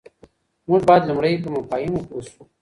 موږ بايد لومړی په مفاهيمو پوه سو.